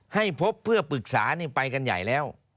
ให้พบเพื่อปรึกษานี่ไปกันใหญ่แล้ว